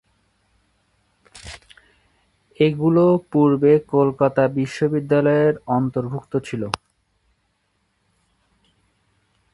এগুলি পূর্বে কলকাতা বিশ্ববিদ্যালয়ের অন্তর্ভুক্ত ছিল।